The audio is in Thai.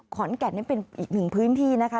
ขอนแก่นนี่เป็นอีกหนึ่งพื้นที่นะคะ